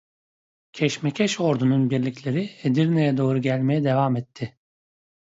Keşmekeş ordunun birlikleri Edirne'ye doğru gelmeye devam etti.